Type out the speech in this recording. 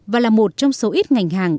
và là một trong số ít ngành hàng